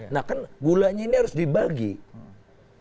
nah kan gulanya ini harus dibagi